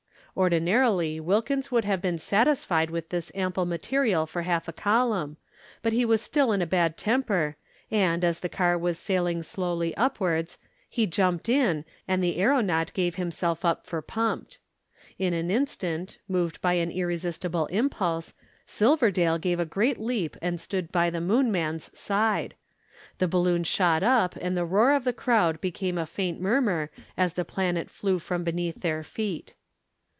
Ordinarily Wilkins would have been satisfied with this ample material for half a column, but he was still in a bad temper, and, as the car was sailing slowly upwards, he jumped in, and the aeronaut gave himself up for pumped. In an instant, moved by an irresistible impulse, Silverdale gave a great leap and stood by the Moon man's side. The balloon shot up and the roar of the crowd became a faint murmur as the planet flew from beneath their feet.